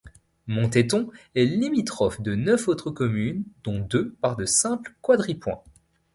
Monteton est limitrophe de neuf autres communes dont deux par de simples quadripoints.